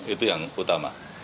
itu yang utama